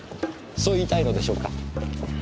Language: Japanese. そう言いたいのでしょうか？